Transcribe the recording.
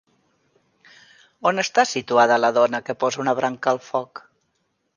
On està situada la dona que posa una branca al foc?